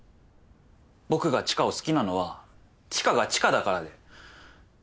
僕が知花を好きなのは知花が知花だからで。